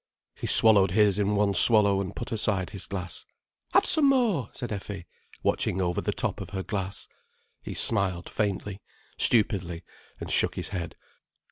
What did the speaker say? He swallowed his in one swallow, and put aside his glass. "Have some more!" said Effie, watching over the top of her glass. He smiled faintly, stupidly, and shook his head.